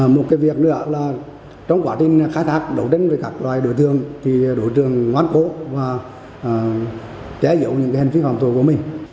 một cái việc nữa là trong quá trình khai thác đấu tranh với các loài đối tượng thì đối tượng ngoan khổ và trẻ dụng những hình phí hoàng tù của mình